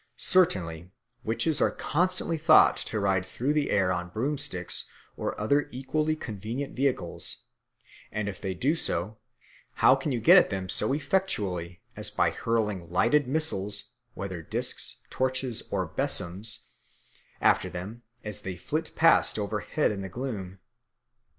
Certainly witches are constantly thought to ride through the air on broomsticks or other equally convenient vehicles; and if they do so, how can you get at them so effectually as by hurling lighted missiles, whether discs, torches, or besoms, after them as they flit past overhead in the gloom?